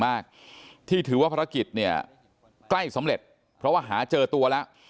มากที่ถือว่าภารกิจเนี่ยใกล้สำเร็จเพราะว่าหาเจอตัวแล้ว